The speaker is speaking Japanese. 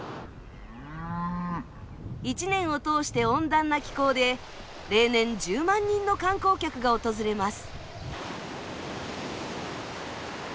一年を通して温暖な気候で例年１０万人の観光客が訪れます。